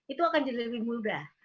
itu akan jadi lebih mudah